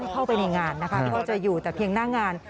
เข้าไปในงานนะคะก็จะอยู่แต่เพียงหน้างาน